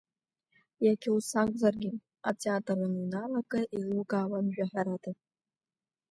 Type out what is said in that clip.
Иагьа ус акәзаргьы, атеатр уаныҩнала акы еилукаауан жәаҳәарада.